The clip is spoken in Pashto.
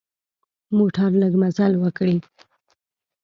موټر لږ مزل وکړي.